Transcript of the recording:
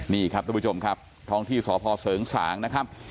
นี่ครับทุกผู้ชมครับท้องที่สพเสริงสางนะครับ